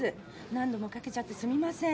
何度もかけちゃってすみません。